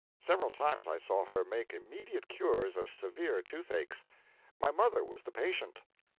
Several times I saw her make immediate cures of severe toothaches. My mother was the patient.